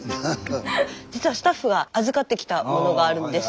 実はスタッフが預かってきたものがあるんです。